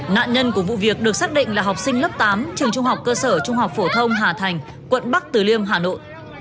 nạn nhân của vụ việc được xác định là học sinh lớp tám trường trung học cơ sở trung học phổ thông hà thành quận bắc từ liêm hà nội